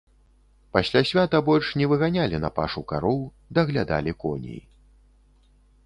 Пасля свята больш не выганялі на пашу кароў, даглядалі коней.